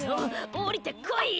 下りてこい！